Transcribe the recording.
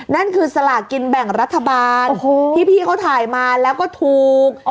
นั่นคือสลากินแบ่งรัฐบาลที่พี่เขาถ่ายมาแล้วก็ถูก